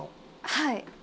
はい。